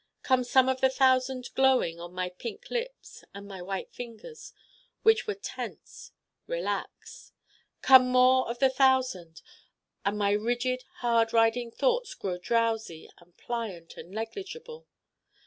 come some of the Thousand glowing on my pink lips, and my white fingers, which were tense, relax come more of the Thousand, and my rigid hard riding thoughts grow drowsy and pliant and negligible.